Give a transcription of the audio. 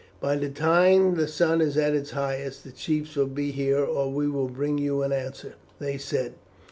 "By the time the sun is at its highest the chiefs will be here or we will bring you an answer," they said.